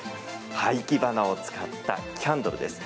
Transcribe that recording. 廃棄花を使ったキャンドルです。